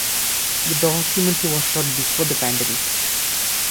The documentary was shot before the pandemic.